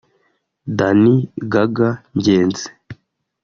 Dan Gaga (Ngenzi)